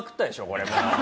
これもう。